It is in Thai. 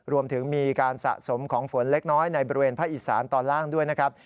รวมถึงมีการสะสมของฝนเล็กน้อยในบริเวณภาคอีสานตอนล่างด้วยนะครับ